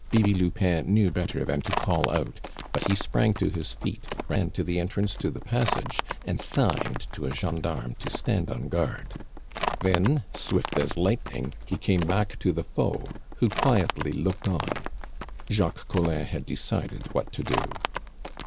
Bibi Lupin knew better than to call out; but he sprang to his feet, ran to the entrance to the passage, and signed to a gendarme to stand on guard. Then, swift as lightning, he came back to the foe, who quietly looked on. Jacques Collin had decided what to do.